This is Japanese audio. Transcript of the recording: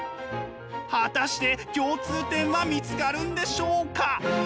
果たして共通点は見つかるんでしょうか？